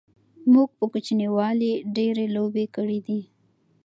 موږ په کوچنیوالی ډیری لوبی کړی دی